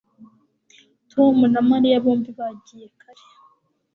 Tom na Mariya bombi bagiye kare